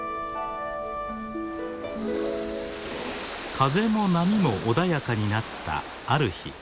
風も波も穏やかになったある日。